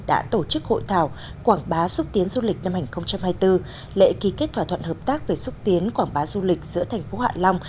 đã tổ chức hội thảo quảng bá xúc tiến du lịch năm hai nghìn hai mươi bốn lệ ký kết thỏa thuận hợp tác về xúc tiến quảng bá du lịch giữa thành phố hạ long